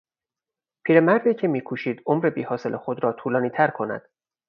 پیرمردی که میکوشید عمر بیحاصل خود را طولانیتر کند